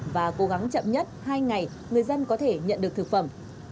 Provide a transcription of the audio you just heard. và cố gắng chậm nhất hai ngày người dân có thể nhận được thực phẩm